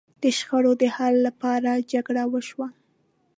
د شخړو د حل لپاره جرګه وشوه.